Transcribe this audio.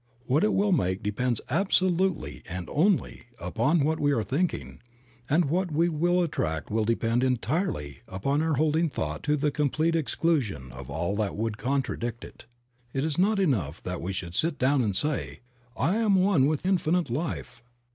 What it will make depends absolutely and only upon what we are thinking, and what we will attract will depend entirely upon our holding thought to the complete exclusion of all that would contradict it. It is not enough that we should sit down and say, T am one with Infinite Life."